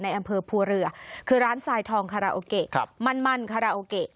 อำเภอภูเรือคือร้านทรายทองคาราโอเกะมันคาราโอเกะ